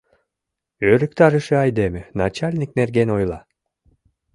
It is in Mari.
Ӧрыктарыше айдеме, — начальник нерген ойла.